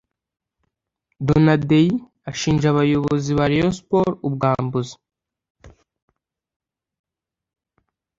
Donadei ashinja abayobozi ba Rayon Sports ubwambuzi